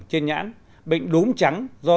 trên nhãn bệnh đốm trắng do